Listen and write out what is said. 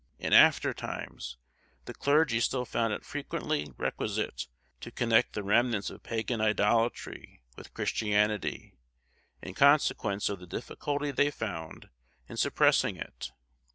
In after times, the clergy still found it frequently requisite to connect the remnants of pagan idolatry with Christianity, in consequence of the difficulty they found in suppressing it.